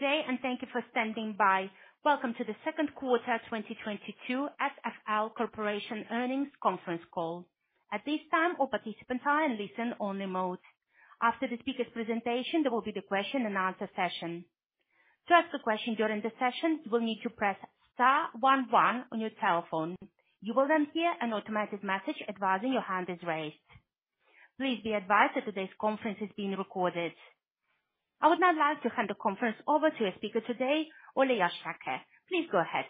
Good day, and thank you for standing by. Welcome to the Q2 2022 SFL Corporation earnings conference call. At this time, all participants are in listen-only mode. After the speaker's presentation, there will be the question and answer session. To ask a question during the session, you will need to press star one one on your telephone. You will then hear an automated message advising your hand is raised. Please be advised that today's conference is being recorded. I would now like to hand the conference over to a speaker today, Ole Hjertaker. Please go ahead.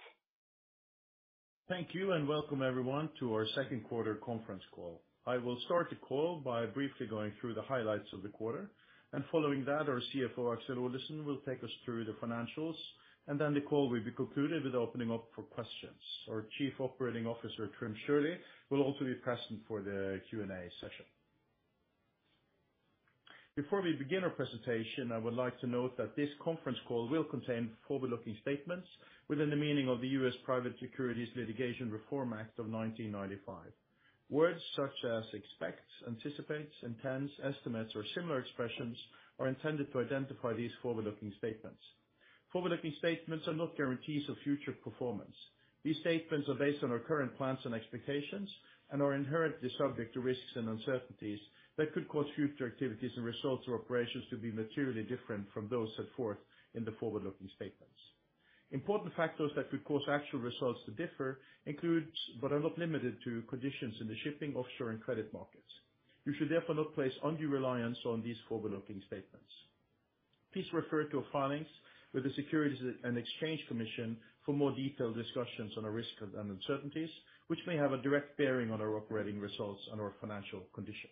Thank you and welcome everyone to our Q2 conference call. I will start the call by briefly going through the highlights of the quarter, and following that our CFO, Aksel C. Olesen, will take us through the financials, and then the call will be concluded with opening up for questions. Our Chief Operating Officer, Trym Otto Sjølie, will also be present for the Q&A session. Before we begin our presentation, I would like to note that this conference call will contain forward-looking statements within the meaning of the Private Securities Litigation Reform Act of 1995. Words such as expects, anticipates, intends, estimates, or similar expressions are intended to identify these forward-looking statements. Forward-looking statements are not guarantees of future performance. These statements are based on our current plans and expectations and are inherently subject to risks and uncertainties that could cause future activities and results or operations to be materially different from those set forth in the forward-looking statements. Important factors that could cause actual results to differ include, but are not limited to, conditions in the shipping, offshore, and credit markets. You should therefore not place undue reliance on these forward-looking statements. Please refer to our filings with the Securities and Exchange Commission for more detailed discussions on our risks and uncertainties, which may have a direct bearing on our operating results and our financial condition.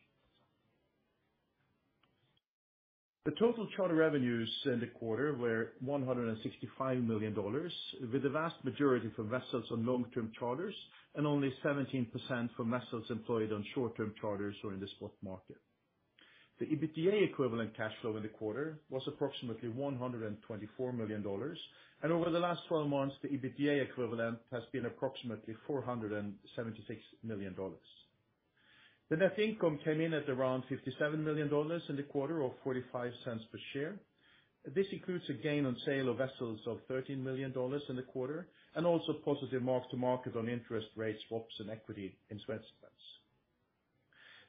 The total charter revenues in the quarter were $165 million, with the vast majority for vessels on long-term charters and only 17% for vessels employed on short-term charters or in the spot market. The EBITDA equivalent cash flow in the quarter was approximately $124 million, and over the last 12 months, the EBITDA equivalent has been approximately $476 million. The net income came in at around $57 million in the quarter, or $0.45 per share. This includes a gain on sale of vessels of $13 million in the quarter and also positive mark-to-market on interest rate swaps and equity investments.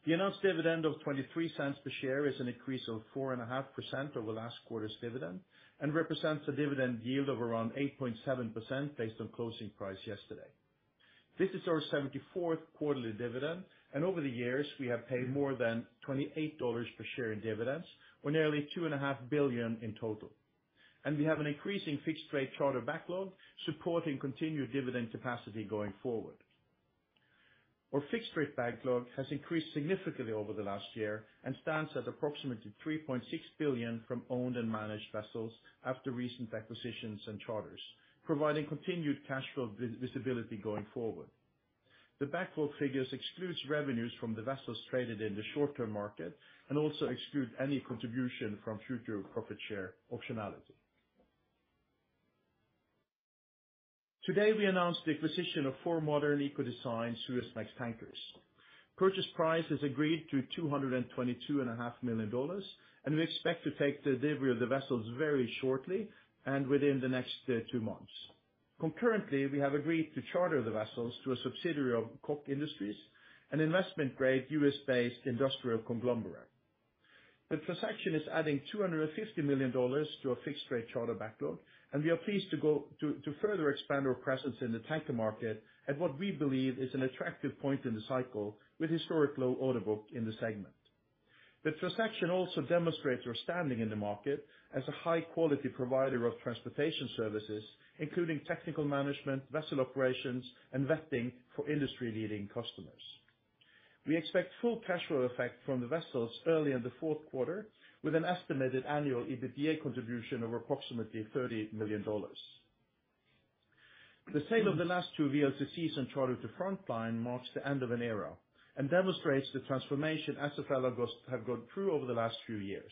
The announced dividend of $0.23 per share is an increase of 4.5% over last quarter's dividend and represents a dividend yield of around 8.7% based on closing price yesterday. This is our 74th quarterly dividend, and over the years, we have paid more than $28 per share in dividends or nearly $2.5 billion in total. We have an increasing fixed-rate charter backlog supporting continued dividend capacity going forward. Our fixed-rate backlog has increased significantly over the last year and stands at approximately $3.6 billion from owned and managed vessels after recent acquisitions and charters, providing continued cash flow visibility going forward. The backlog figures exclude revenues from the vessels traded in the short-term market and also exclude any contribution from future profit share optionality. Today, we announced the acquisition of four modern Eco-design Suezmax tankers. Purchase price is agreed to $222.5 million, and we expect to take delivery of the vessels very shortly and within the next 2 months. Concurrently, we have agreed to charter the vessels to a subsidiary of Koch Industries, an investment-grade U.S.-based industrial conglomerate. The transaction is adding $250 million to our fixed-rate charter backlog, and we are pleased to further expand our presence in the tanker market at what we believe is an attractive point in the cycle with historic low order book in the segment. The transaction also demonstrates our standing in the market as a high-quality provider of transportation services, including technical management, vessel operations, and vetting for industry-leading customers. We expect full cash flow effect from the vessels early in the Q4, with an estimated annual EBITDA contribution of approximately $30 million. The sale of the last two VLCCs and charter to Frontline marks the end of an era and demonstrates the transformation SFL has gone through over the last few years.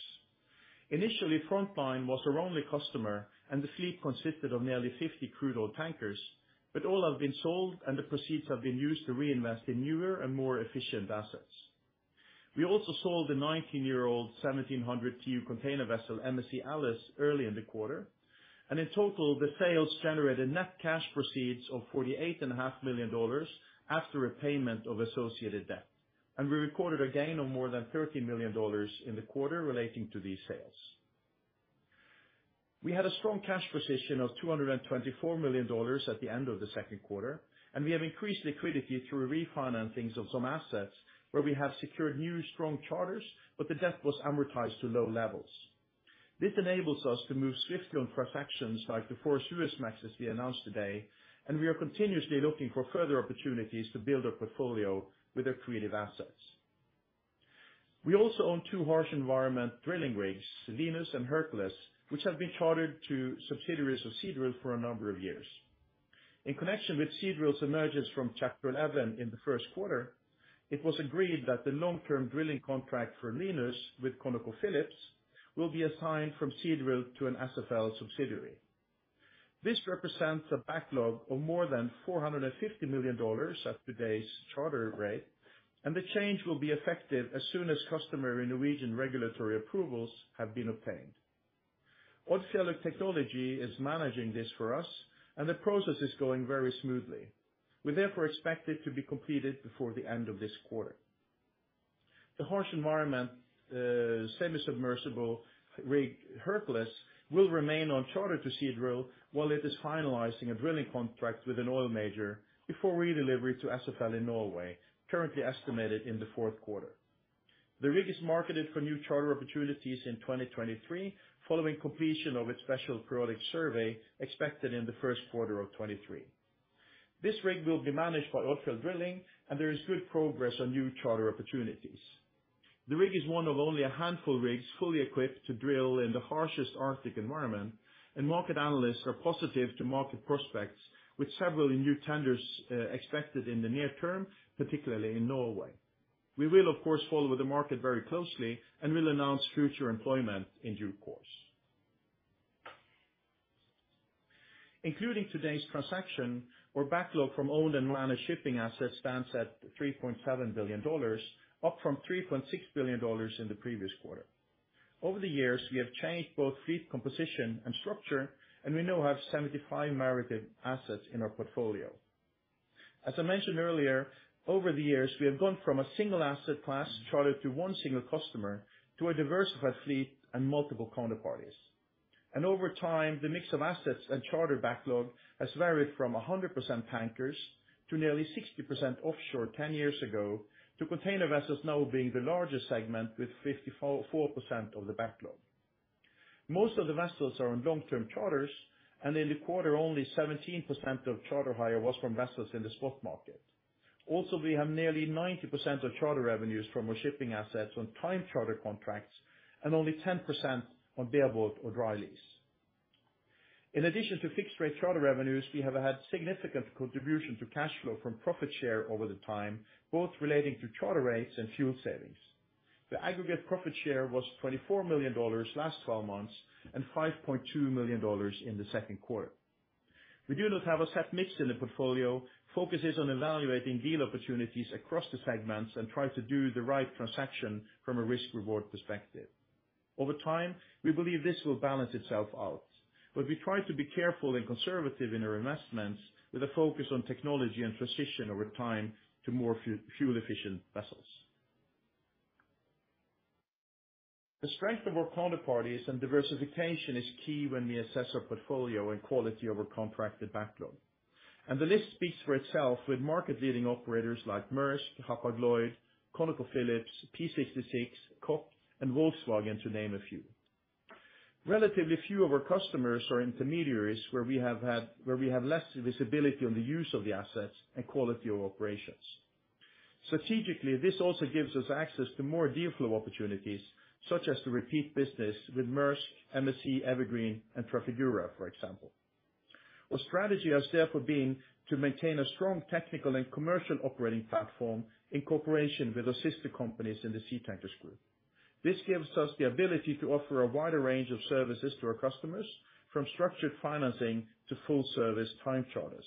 Initially, Frontline was our only customer, and the fleet consisted of nearly 50 crude oil tankers, but all have been sold, and the proceeds have been used to reinvest in newer and more efficient assets. We also sold a 19-year-old 1,700 TEU container vessel, MSC Alice, early in the quarter. In total, the sales generated net cash proceeds of $48 and a half million after repayment of associated debt. We recorded a gain of more than $13 million in the quarter relating to these sales. We had a strong cash position of $224 million at the end of the Q2, and we have increased liquidity through refinancings of some assets where we have secured new strong charters, but the debt was amortized to low levels. This enables us to move swiftly on transactions like the four Suezmax as we announced today, and we are continuously looking for further opportunities to build our portfolio with our creative assets. We also own two harsh environment drilling rigs, Linus and Hercules, which have been chartered to subsidiaries of Seadrill for a number of years. In connection with Seadrill's emergence from Chapter 11 in the Q1, it was agreed that the long-term drilling contract for Linus with ConocoPhillips will be assigned from Seadrill to an SFL subsidiary. This represents a backlog of more than $450 million at today's charter rate, and the change will be effective as soon as customer and Norwegian regulatory approvals have been obtained. Odfjell Technology is managing this for us, and the process is going very smoothly. We therefore expect it to be completed before the end of this quarter. The harsh environment semi-submersible rig, Hercules, will remain on charter to Seadrill while it is finalizing a drilling contract with an oil major before redelivery to SFL in Norway, currently estimated in the Q4. The rig is marketed for new charter opportunities in 2023 following completion of its special periodic survey expected in the Q1 of 2023. This rig will be managed by Odfjell Drilling, and there is good progress on new charter opportunities. The rig is one of only a handful of rigs fully equipped to drill in the harshest Arctic environment, and market analysts are positive to market prospects with several new tenders expected in the near term, particularly in Norway. We will, of course, follow the market very closely and will announce future employment in due course. Including today's transaction, our backlog from owned and managed shipping assets stands at $3.7 billion, up from $3.6 billion in the previous quarter. Over the years, we have changed both fleet composition and structure, and we now have 75 maritime assets in our portfolio. As I mentioned earlier, over the years, we have gone from a single asset class charter to one single customer to a diversified fleet and multiple counterparties. Over time, the mix of assets and charter backlog has varied from 100% tankers to nearly 60% offshore 10 years ago to container vessels now being the largest segment with 54% of the backlog. Most of the vessels are on long-term charters, and in the quarter only 17% of charter hire was from vessels in the spot market. Also, we have nearly 90% of charter revenues from our shipping assets on time charter contracts and only 10% on bareboat or dry lease. In addition to fixed rate charter revenues, we have had significant contribution to cash flow from profit share over the time, both relating to charter rates and fuel savings. The aggregate profit share was $24 million last twelve months and $5.2 million in the Q2. We do not have a set mix in the portfolio, focus is on evaluating deal opportunities across the segments and try to do the right transaction from a risk-reward perspective. Over time, we believe this will balance itself out, but we try to be careful and conservative in our investments with a focus on technology and transition over time to more fuel-efficient vessels. The strength of our counterparties and diversification is key when we assess our portfolio and quality of our contracted backlog. The list speaks for itself with market leading operators like Maersk, Hapag-Lloyd, ConocoPhillips, Phillips 66, Koch Industries, and Volkswagen, to name a few. Relatively few of our customers are intermediaries where we have less visibility on the use of the assets and quality of operations. Strategically, this also gives us access to more deal flow opportunities, such as the repeat business with Maersk, MSC, Evergreen and Trafigura, for example. Our strategy has therefore been to maintain a strong technical and commercial operating platform in cooperation with our sister companies in the Sea Tankers Group. This gives us the ability to offer a wider range of services to our customers, from structured financing to full service time charters.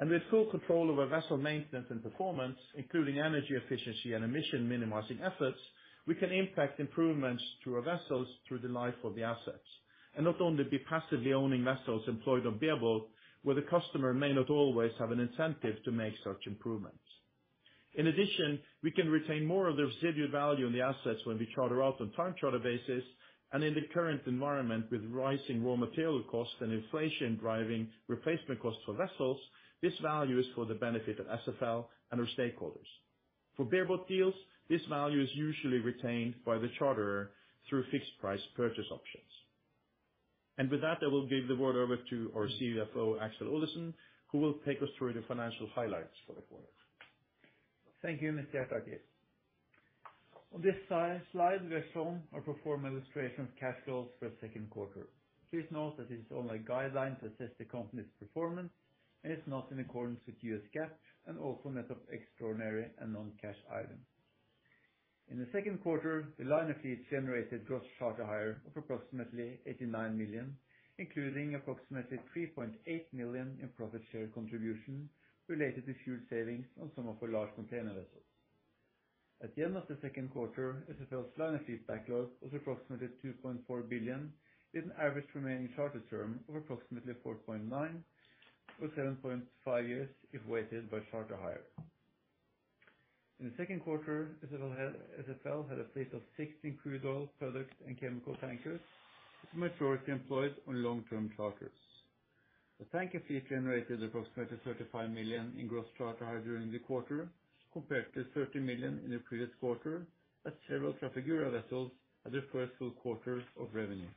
With full control of our vessel maintenance and performance, including energy efficiency and emission minimizing efforts, we can impact improvements to our vessels through the life of the assets, and not only be passively owning vessels employed on bareboat, where the customer may not always have an incentive to make such improvements. In addition, we can retain more of the residual value in the assets when we charter out on time charter basis, and in the current environment, with rising raw material costs and inflation driving replacement costs for vessels, this value is for the benefit of SFL and our stakeholders. For bareboat deals, this value is usually retained by the charterer through fixed price purchase options. With that, I will give the word over to our CFO, Aksel Olesen, who will take us through the financial highlights for the quarter. Thank you, Ole B. Hjertaker. On this slide, we are shown our performance illustration of cash flows for the Q2. Please note that this is only a guideline to assess the company's performance, and it's not in accordance with US GAAP and also net of extraordinary and non-cash items. In the Q2, the liner fleet generated gross charter hire of approximately $89 million, including approximately $3.8 million in profit share contribution related to fuel savings on some of our large container vessels. At the end of the Q2, SFL's liner fleet backlog was approximately $2.4 billion, with an average remaining charter term of approximately 4.9 or 7.5 years if weighted by charter hire. In the Q2, SFL had a fleet of 16 crude oil products and chemical tankers, with the majority employed on long-term charters. The tanker fleet generated approximately $35 million in gross charter hire during the quarter compared to $30 million in the previous quarter, as several Trafigura vessels had their first full quarter of revenue.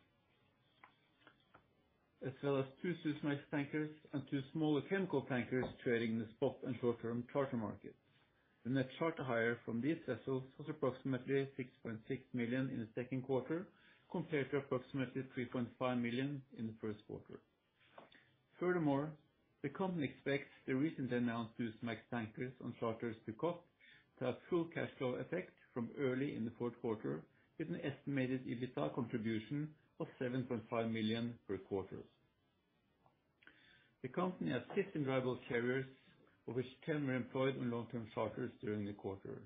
SFL has 2 Suezmax tankers and 2 smaller chemical tankers trading in the spot and short-term charter market. The net charter hire from these vessels was approximately $6.6 million in the Q2, compared to approximately $3.5 million in the Q1. furthermore, the company expects the recently announced 2 Suezmax tankers on charters to Koch to have full cash flow effect from early in the Q4, with an estimated EBITDA contribution of $7.5 million per quarter. The company has 50 dry bulk carriers of which 10 were employed on long-term charters during the quarter.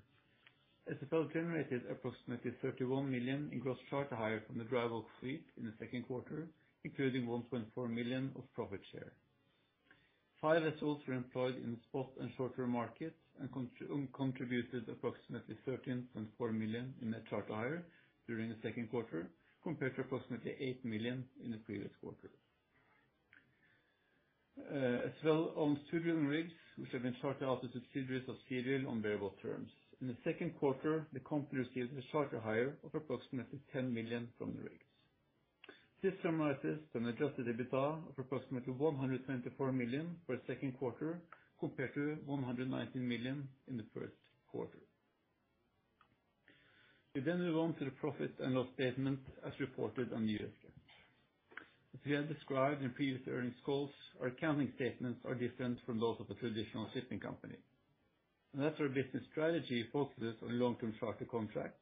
SFL generated approximately $31 million in gross charter hire from the dry bulk fleet in the Q2, including $1.4 million of profit share. Five vessels were employed in the spot and short-term markets and contributed approximately $13.4 million in net charter hire during the Q2 compared to approximately $8 million in the previous quarter. As well on Seadrill rigs, which have been chartered out to subsidiaries of Seadrill on variable terms. In the Q2, the company received a charter hire of approximately $10 million from the rigs. This summarizes an adjusted EBITDA of approximately $124 million for the Q2 compared to $119 million in the Q1. We move on to the profit and loss statement as reported on US GAAP. As we have described in previous earnings calls, our accounting statements are different from those of a traditional shipping company. As our business strategy focuses on long-term charter contracts,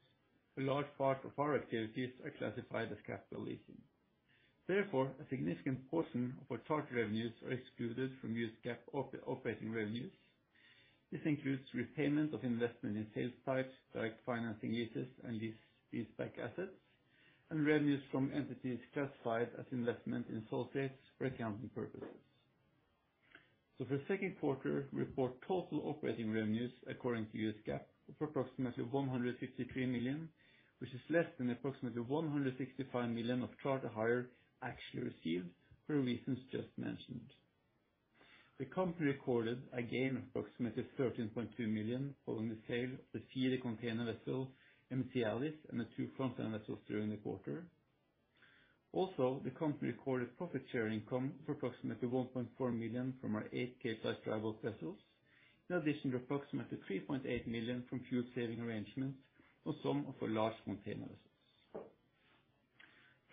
a large part of our activities are classified as capital leasing. Therefore, a significant portion of our charter revenues are excluded from US GAAP operating revenues. This includes repayment of investment in sales-type, direct financing leases and leaseback assets and revenues from entities classified as investment in associates for accounting purposes. For the Q2, we report total operating revenues according to US GAAP of approximately $153 million, which is less than approximately $165 million of charter hire actually received for the reasons just mentioned. The company recorded a gain of approximately $13.2 million following the sale of the feeder container vessel, MSC Alice and the two Frontline vessels during the quarter. Also, the company recorded profit share income of approximately $1.4 million from our 8 K-type dry bulk vessels, in addition to approximately $3.8 million from fuel saving arrangements on some of our large container vessels.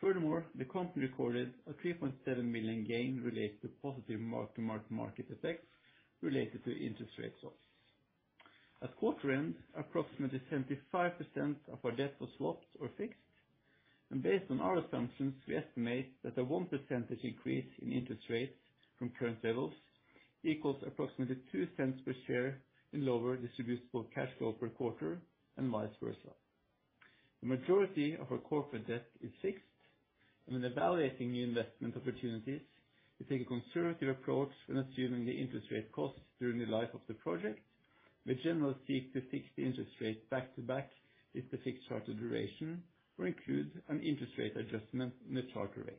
Furthermore, the company recorded a $3.7 million gain related to positive mark-to-market effects related to interest rate swaps. At quarter end, approximately 75% of our debt was swapped or fixed. Based on our assumptions, we estimate that a 1% increase in interest rates from current levels equals approximately $0.02 per share in lower distributable cash flow per quarter and vice versa. The majority of our corporate debt is fixed. When evaluating new investment opportunities, we take a conservative approach when assuming the interest rate costs during the life of the project. We generally seek to fix the interest rate back-to-back with the fixed charter duration or include an interest rate adjustment in the charter rates.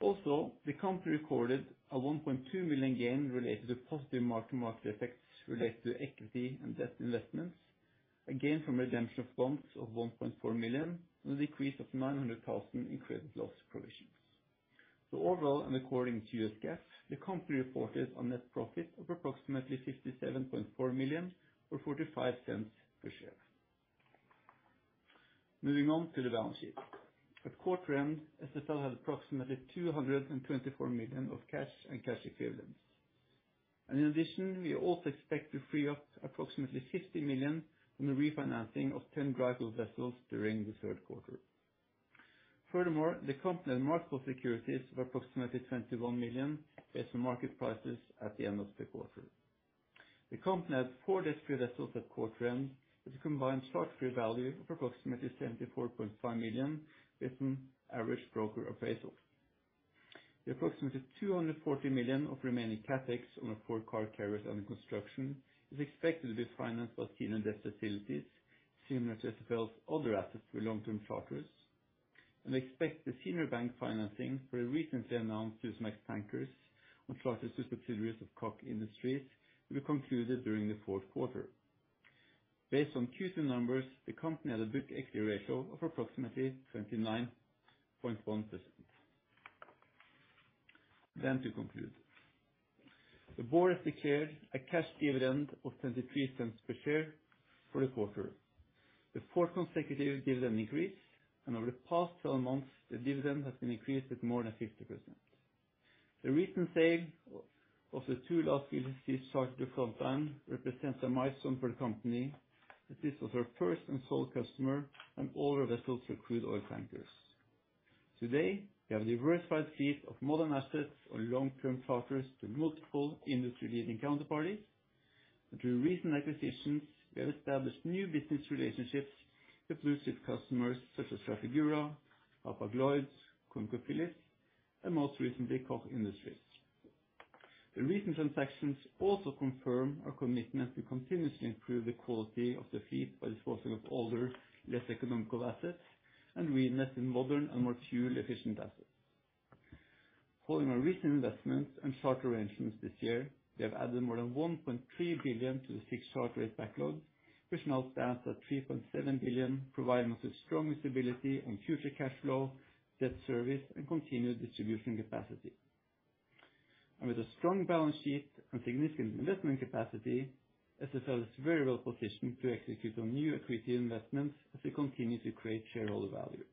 Also, the company recorded a $1.2 million gain related to positive mark-to-market effects related to equity and debt investments, a gain from redemption of bonds of $1.4 million and a decrease of $900,000 in credit loss provisions. Overall, and according to US GAAP, the company reported a net profit of approximately $57.4 million or $0.45 per share. Moving on to the balance sheet. At quarter end, SFL had approximately $224 million of cash and cash equivalents. In addition, we also expect to free up approximately $50 million from the refinancing of 10 dry bulk vessels during the Q3. Furthermore, the company had marketable securities of approximately $21 million based on market prices at the end of the quarter. The company had 4 debt-free vessels at quarter end with a combined charter-free value of approximately $74.5 million based on average broker appraisals. The approximately $240 million of remaining CapEx on the 4 car carriers under construction is expected to be financed by senior debt facilities similar to SFL's other assets with long-term charters. We expect the senior bank financing for the recently announced two Suezmax tankers on charters to subsidiaries of Koch Industries will be concluded during the Q4. Based on Q2 numbers, the company had a book equity ratio of approximately 29.1%. To conclude. The board has declared a cash dividend of $0.23 per share for the quarter. The fourth consecutive dividend increase, and over the past 12 months, the dividend has been increased by more than 50%. The recent sale of the 2 last VLCCs chartered to Frontline represents a milestone for the company, as this was our first and sole customer and all our vessels were crude oil tankers. Today, we have a diversified fleet of modern assets on long-term charters to multiple industry-leading counterparties. Through recent acquisitions, we have established new business relationships with blue-chip customers such as Trafigura, Alpha Glides, ConocoPhillips and most recently, Koch Industries. The recent transactions also confirm our commitment to continuously improve the quality of the fleet by disposing of older, less economical assets and reinvest in modern and more fuel-efficient assets. Following our recent investments and charter arrangements this year, we have added more than $1.3 billion to the fixed charter rate backlog, which now stands at $3.7 billion, providing us with strong visibility on future cash flow, debt service and continued distribution capacity. With a strong balance sheet and significant investment capacity, SFL is very well positioned to execute on new equity investments as we continue to create shareholder value.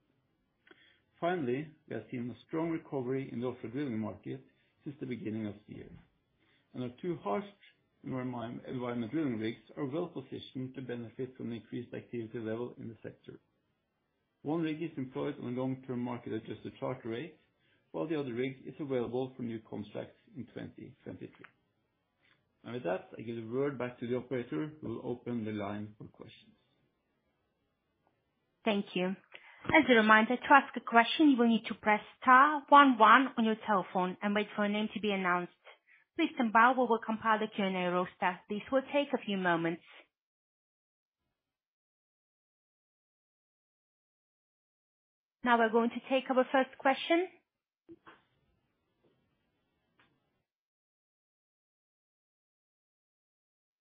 Finally, we have seen a strong recovery in the offshore drilling market since the beginning of the year, and our two harsh environment drilling rigs are well positioned to benefit from the increased activity level in the sector. One rig is employed on a long-term contract at a charter rate, while the other rig is available for new contracts in 2023. With that, I give the word back to the operator who will open the line for questions. Thank you. As a reminder, to ask a question, you will need to press star one one on your telephone and wait for a name to be announced. Please stand by while we compile the Q&A roster. This will take a few moments. Now we're going to take our first question.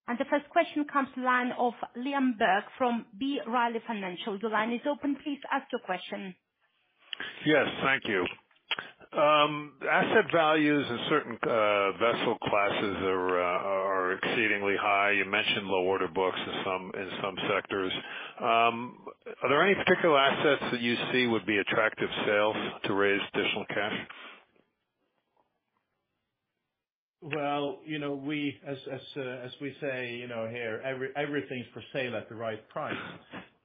The first question comes to line of Liam Burke from B. Riley Financial. Your line is open. Please ask your question. Yes, thank you. Asset values in certain vessel classes are exceedingly high. You mentioned low order books in some sectors. Are there any particular assets that you see would be attractive sales to raise additional cash? well we, as we say here, everything is for sale at the right price.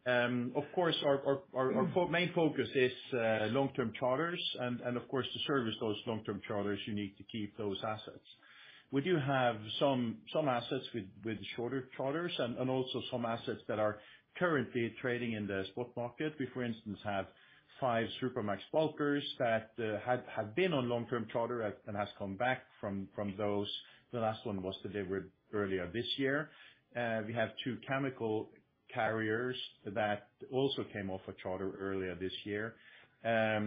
Of course, our main focus is long-term charters and, of course, to service those long-term charters you need to keep those assets. We do have some assets with shorter charters and also some assets that are currently trading in the spot market. We, for instance, have 5 Suezmax bulkers that have been on long-term charter and has come back from those. The last one was delivered earlier this year. We have 2 chemical carriers that also came off a charter earlier this year. We have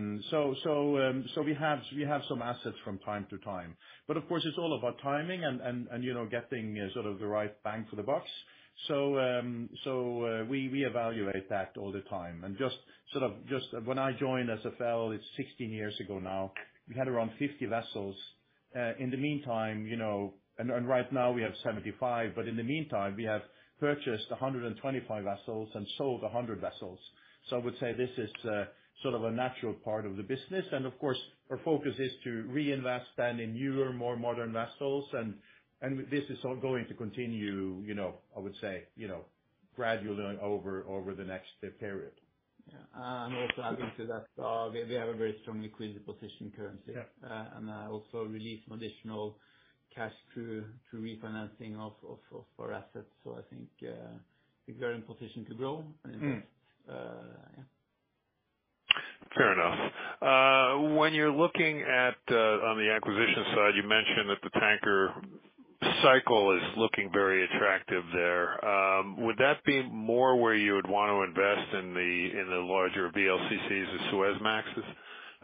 some assets from time to time. Of course it's all about timing and getting sort of the right bang for the bucks. We evaluate that all the time. When I joined SFL, it's 16 years ago now, we had around 50 vessels. In the meantime right now we have 75, but in the meantime, we have purchased 125 vessels and sold 100 vessels. I would say this is sort of a natural part of the business. Of course, our focus is to reinvest that in newer, more modern vessels. This is all going to continue I would say gradually over the next period. Yeah. Also adding to that, we have a very strong liquidity position currently. Yeah. also release some additional cash through refinancing of our assets. I think we are in position to grow and yeah. Fair enough. When you're looking at on the acquisition side, you mentioned that the tanker cycle is looking very attractive there. Would that be more where you would want to invest in the larger VLCCs or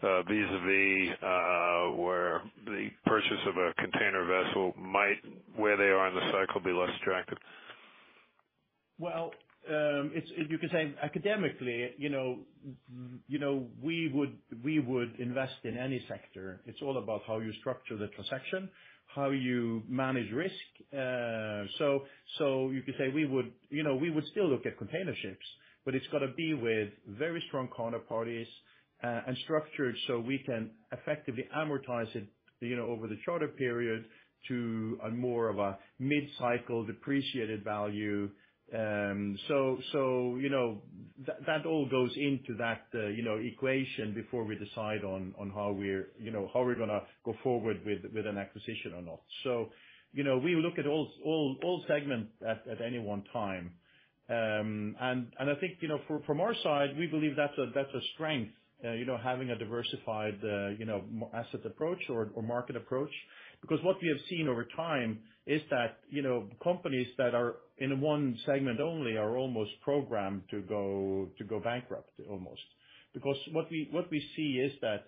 Suezmaxes, vis-à-vis where the purchase of a container vessel might, where they are in the cycle, be less attractive? Well, it's you could say academically we would invest in any sector. It's all about how you structure the transaction, how you manage risk. So you could say we would we would still look at container ships, but it's got to be with very strong counterparties, and structured so we can effectively amortize it over the charter period to a more of a mid-cycle depreciated value. so that all goes into that equation before we decide on how we're how we're going to go forward with an acquisition or not. You know, we look at all segments at any one time. I think from our side, we believe that's a strength having a diversified asset approach or market approach. Because what we have seen over time is that companies that are in one segment only are almost programmed to go bankrupt, almost. Because what we see is that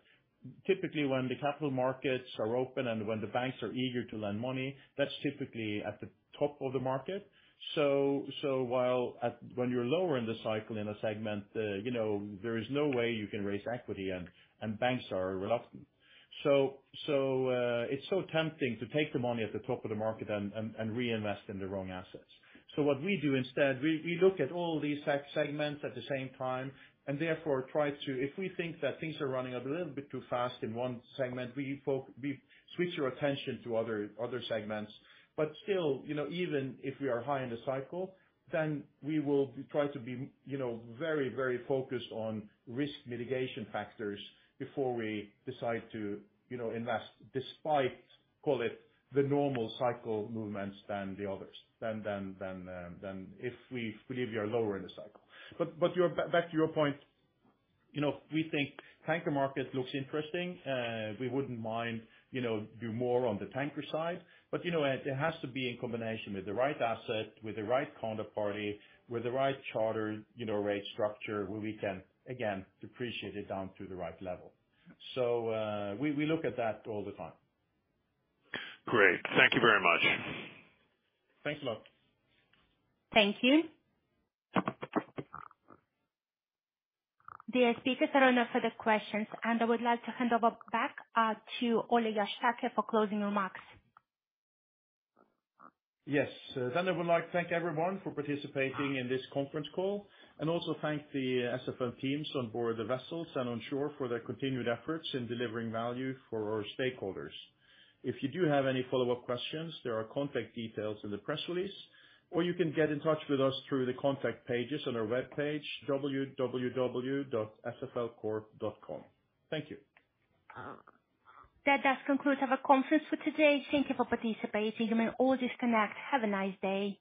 typically when the capital markets are open and when the banks are eager to lend money, that's typically at the top of the market. It's so tempting to take the money at the top of the market and reinvest in the wrong assets. What we do instead, we look at all these segments at the same time and therefore try to. If we think that things are running a little bit too fast in one segment, we switch our attention to other segments. still even if we are high in the cycle, then we will try to be very focused on risk mitigation factors before we decide to invest despite, call it, the normal cycle movements than the others than if we believe we are lower in the cycle. Back to your point we think tanker market looks interesting. We wouldn't mind do more on the tanker side, but it has to be in combination with the right asset, with the right counterparty, with the right charter rate structure where we can, again, depreciate it down to the right level. We look at that all the time. Great. Thank you very much. Thanks a lot. Thank you. The speakers are done for the questions, and I would like to hand over back to Ole Hjertaker for closing remarks. Yes. I would like to thank everyone for participating in this conference call, and also thank the SFL teams on board the vessels and onshore for their continued efforts in delivering value for our stakeholders. If you do have any follow-up questions, there are contact details in the press release, or you can get in touch with us through the contact pages on our webpage, www.sflcorp.com. Thank you. That does conclude our conference for today. Thank you for participating. You may all disconnect. Have a nice day.